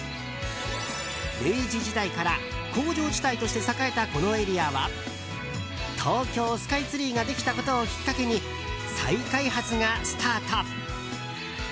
明治時代から工場地帯として栄えたこのエリアは東京スカイツリーができたことをきっかけに再開発がスタート。